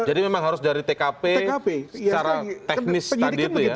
jadi memang harus dari tkp secara teknis tadi itu ya